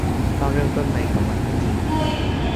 ต้องเริ่มต้นใหม่กับวันใหม่จริง